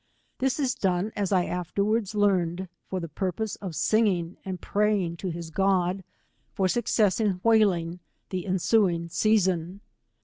This is done, as I afterwards learned, for the purpose of singipg and praying to his God for success in whal ing the ensuing season.